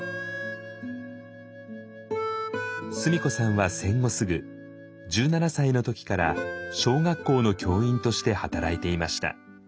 須美子さんは戦後すぐ１７歳の時から小学校の教員として働いていました。